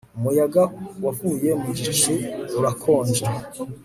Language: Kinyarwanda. umuyaga wavuye mu gicu, urakonja